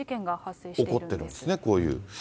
起こってるんですね、こういう。